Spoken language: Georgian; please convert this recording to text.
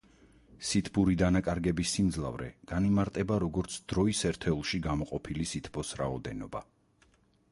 სითბური დანაკარგების სიმძლავრე განიმარტება როგორც დროის ერთეულში გამოყოფილი სითბოს რაოდენობა.